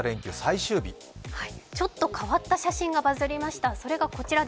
ちょっと変わった写真がバズりました。